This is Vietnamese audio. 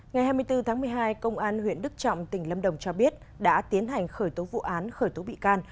ngày hai mươi bốn tháng một mươi hai công an huyện đức trọng tỉnh lâm đồng cho biết đã tiến hành khởi tố vụ án khởi tố bị can